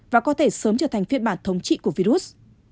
và có thể sớm trở thành phiên bản thống trị của virus